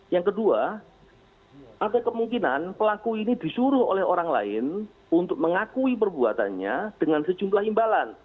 yang kedua ada kemungkinan pelaku ini disuruh oleh orang lain untuk mengakui perbuatannya dengan sejumlah imbalan